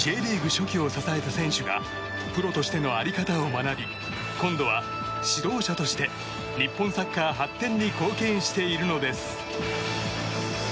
初期を支えた選手がプロとしての在り方を学び今度は指導者として日本サッカー発展に貢献しているんです。